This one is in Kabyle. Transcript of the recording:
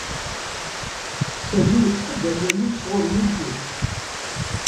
Sami yeṭṭef-d amayel sɣur Youtube.